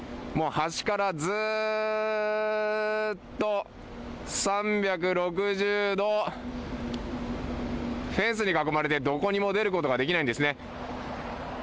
もう橋からずうっと３６０度フェンスに囲まれてどこにも出ることができないんですね。